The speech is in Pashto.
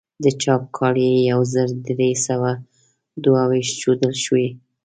د چاپ کال یې یو زر درې سوه دوه ویشت ښودل شوی.